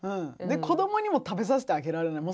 子どもにも食べさせてあげられない。